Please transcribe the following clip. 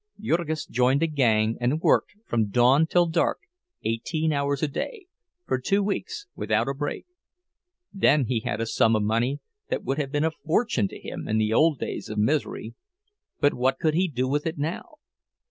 Jurgis joined a gang and worked from dawn till dark, eighteen hours a day, for two weeks without a break. Then he had a sum of money that would have been a fortune to him in the old days of misery—but what could he do with it now?